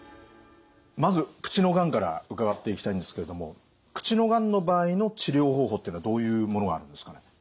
まず口のがんから伺っていきたいんですけれども口のがんの場合の治療方法っていうのはどういうものがあるんですかね？